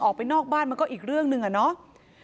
ออกไปนอกบ้านมันก็อีกเรื่องหนึ่งอะเนาะ